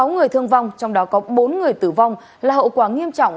sáu người thương vong trong đó có bốn người tử vong là hậu quả nghiêm trọng